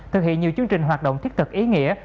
thực hiện nhiều chương trình hoạt động thiết thực ý nghĩa